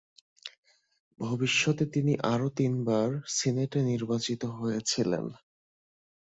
ভবিষ্যতে তিনি আরও তিনবার সিনেটে নির্বাচিত হয়েছিলেন।